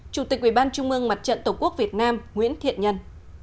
chủ tịch uy ban trung ương mặt trận tổ quốc việt nam nguyễn thiện nhân